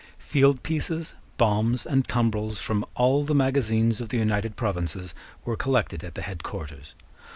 Field pieces, bombs, and tumbrels from all the magazines of the United Provinces were collected at the head quarters.